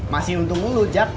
masih untung lu jack